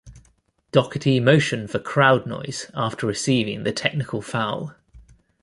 Doherty motioned for crowd noise after receiving the technical foul.